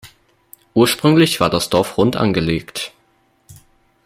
Ursprünglich war das Dorf rund angelegt.